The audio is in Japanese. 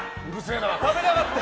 食べたかった。